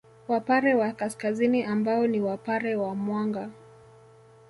Wapare wa Kaskazini ambao ni Wapare wa Mwanga